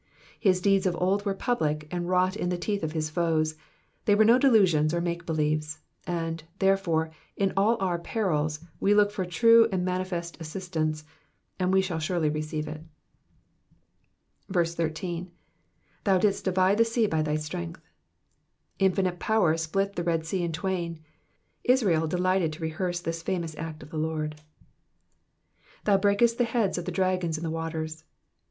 His deeds of old were public and wrought in the teeth of his foes, they were no delusions or make believes ; and, therefore, in all our perils we look for true and manifest assistance, and we shall surely receive it. 18. "*Thou didst divide the sea by thy strength,'*'* Infinite power split the Red 8ea in twain. Israel delighted to rehearse this famous act of the Lord. '^Thou hrakeHt the heads of the dragons in the waters."